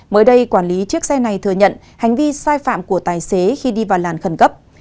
mới đây quản lý chiếc xe này thừa nhận hành vi sai phạm của tài xế khi đi vào làn khẩn cấp